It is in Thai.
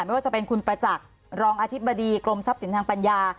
ไม่ว่าจะเป็นคุณประจักษ์รองอธิบดีกรมทรัพย์สินทางปัญญา